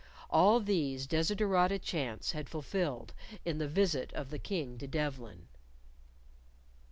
All these desiderata chance had fulfilled in the visit of the King to Devlen.